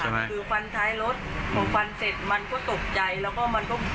คือฟันท้ายรถพอฟันเสร็จมันก็ตกใจแล้วก็มันก็